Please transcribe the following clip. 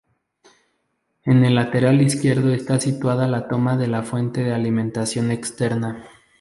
En el lateral izquierdo está situada la toma de la fuente de alimentación externa.